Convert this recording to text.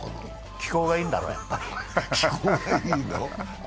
気候がいいんだろう、やっぱり。